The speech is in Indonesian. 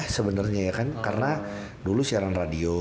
sebenarnya ya kan karena dulu siaran radio